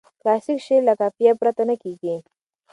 کلاسیک شعر له قافیه پرته نه کیږي.